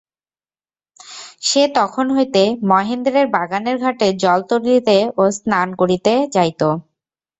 সে তখন হইতে মহেন্দ্রের বাগানের ঘাটে জল তুলিতে ও স্নান করিতে যাইত।